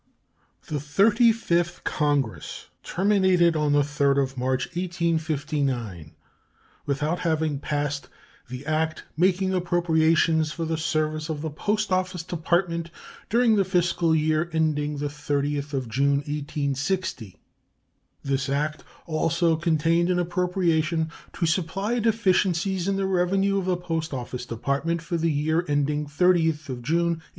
The Thirty fifth Congress terminated on the 3d of March, 1859, without having passed the "act making appropriations for the service of the Post Office Department during the fiscal year ending the 30th of June, 1860," This act also contained an appropriation "to supply deficiencies in the revenue of the Post Office Department for the year ending 30th June, 1859."